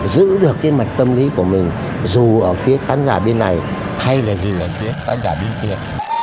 giữ được cái mặt tâm lý của mình dù ở phía khán giả bên này hay là gì ở phía khán giả đi tiền